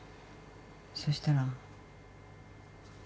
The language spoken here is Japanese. そしたら。